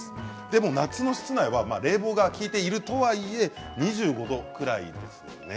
でも夏の室内は冷房が効いているとはいえ２５度くらいですよね。